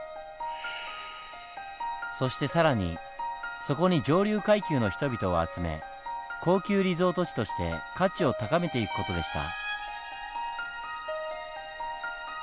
そして更にそこに上流階級の人々を集め高級リゾート地として価値を高めていく事でした。